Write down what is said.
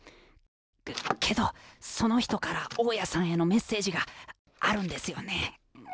けどその人から大家さんへのメッセージがあるんですよね。